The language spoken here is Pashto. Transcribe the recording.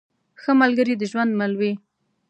ښه ملګری د ژوند مل وي.